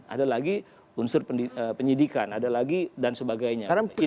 ada lagi unsur penyidikan ada lagi dan sebagainya